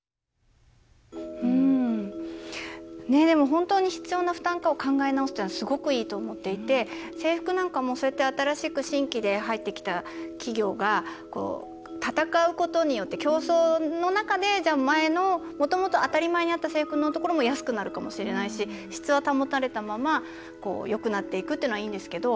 本当に必要な負担かを考え直すというのはすごくいいと思っていて制服なんかも、そうやって新しく新規で入ってきた企業が戦うことによって競争の中で、じゃあ前のもともと当たり前にあった制服のところも安くなるかもしれないし質は保たれたままよくなっていくっていうのはいいんですけど。